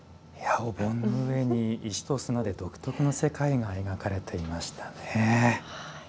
お盆の上に石と砂で独特の世界が描かれていましたね。